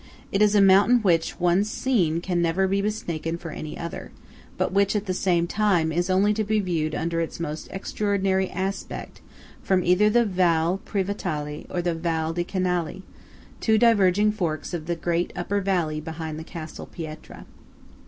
It is a mountain which, once seen, can never be mistaken for any other; but which, at the same time, is only to be viewed under its most extraordinary aspect from either the Val Pravitale or the Val di Canali 18 –two diverging forks of the great upper valley behind Castel Pietra.